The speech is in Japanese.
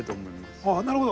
あなるほど！